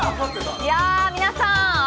いやぁ、皆さん、頭